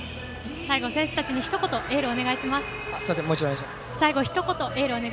最後、選手たちにひと言エールをお願いします。